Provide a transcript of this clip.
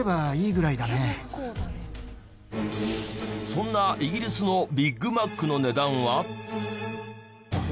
そんなイギリスのビッグマックの値段は。